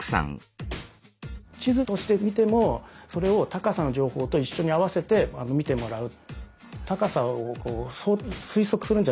地図としてみてもそれを高さの情報と一緒に合わせて見てもらう。